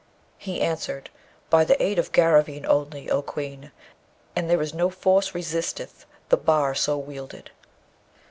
He answered, 'By the aid of Garraveen only, O Queen! and there is no force resisteth the bar so wielded.'